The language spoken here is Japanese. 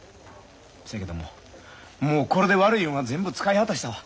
そやけどももうこれで悪い運は全部使い果たしたわ。